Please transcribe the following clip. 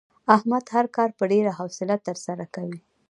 احمد هر کار په ډېره حوصله ترسره کوي.